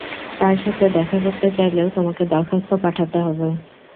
তার সাথে দেখা করতে চাইলেও তোমাকে দরখাস্ত পাঠাতে হবে।